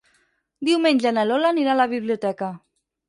Diumenge na Lola anirà a la biblioteca.